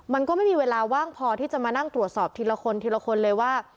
มันก็ไม่มีเวลาว่างพอที่จะมานั่งตรวจสอบทีละคนทีละคนเลยว่า